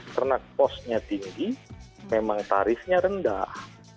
karena posnya tinggi memang tarifnya rendah